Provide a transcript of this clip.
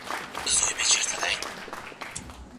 استاد د علمي کارونو په برخه کي خپله دنده په سمه توګه ترسره کوي.